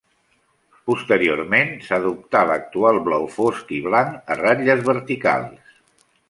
Posteriorment s'adoptà l'actual blau fosc i blanc a ratlles verticals.